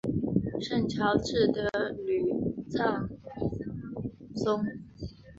圣乔治德吕藏松。